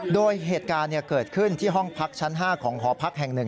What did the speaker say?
โดยเหตุการณ์เกิดขึ้นที่ห้องพักชั้น๕ของหอพักแห่ง๑